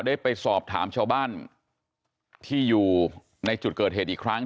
ได้ไปสอบถามชาวบ้านที่อยู่ในจุดเกิดเหตุอีกครั้ง